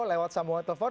lewat sambungan telepon